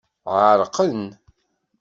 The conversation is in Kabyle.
Ɛerqen.